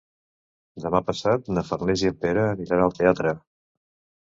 Demà passat na Farners i en Pere aniran al teatre.